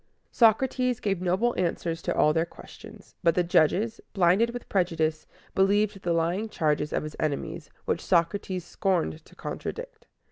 Socrates gave noble answers to all their questions; but the judges, blinded with prejudice, believed the lying charges of his enemies, which Socrates scorned to contradict.